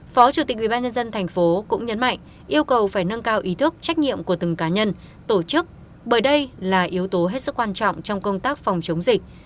phó chủ tịch ubnd tp cũng nhấn mạnh yêu cầu phải nâng cao ý thức trách nhiệm của từng cá nhân tổ chức bởi đây là yếu tố hết sức quan trọng trong công tác phòng chống dịch